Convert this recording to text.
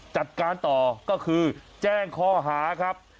จัดการต่อก็คือแจ้งข้อหาครับ